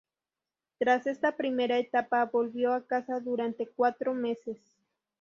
Tras esta primera etapa, volvió a casa durante cuatro meses.